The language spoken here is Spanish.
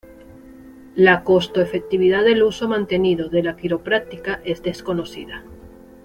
La costo-efectividad del uso mantenido de la quiropráctica es desconocida.